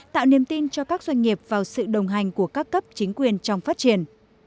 tạo niềm tin cho các doanh nghiệp vào sự đồng hành của các cấp chính quyền trong phát triển